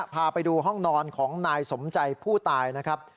พาไปดูห้องนอนของนายสมใจผู้ตายนะครับ